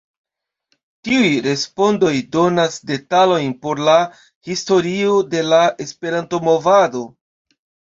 Tiuj respondoj donas detalojn por la historio de la Esperanto-movado.